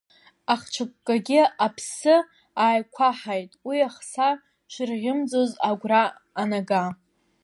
Ахцәыккагьы аԥсы ааиқәаҳаит уи ахса шырхьымӡоз агәра анага.